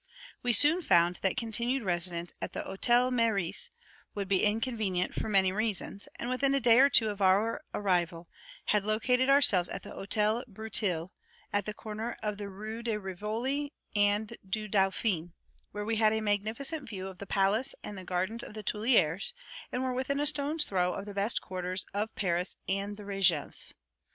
We soon found that continued residence at the Hotel Meurice would be inconvenient, for many reasons; and within a day or two of our arrival, had located ourselves in the Hotel Breteuil, at the corner of the Rues de Rivoli and du Dauphine, where we had a magnificent view of the palace and gardens of the Tuileries, and were within a stone's throw of the best quarters of Paris and the Régence.